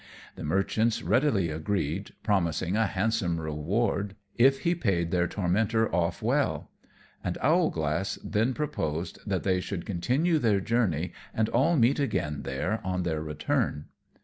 The merchants readily agreed, promising a handsome reward if he paid their tormentor off well; and Owlglass then proposed that they should continue their journey, and all meet again there on their return.